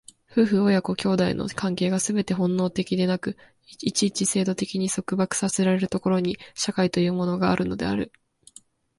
夫婦親子兄弟の関係がすべて本能的でなく、一々制度的に束縛せられる所に、社会というものがあるのである。